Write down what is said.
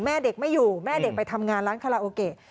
แม่เด็กไม่อยู่แม่เด็กไปทำงานร้านคาราโอเกะ